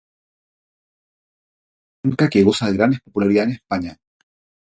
Se trata de una rumba flamenca que goza de gran popularidad en España.